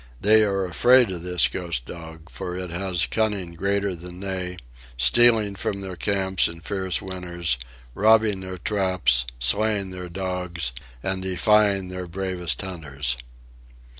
They are afraid of this Ghost Dog, for it has cunning greater than they, stealing from their camps in fierce winters, robbing their traps, slaying their dogs, and defying their bravest hunters.